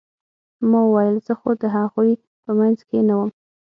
ما وويل زه خو د هغوى په منځ کښې نه وم.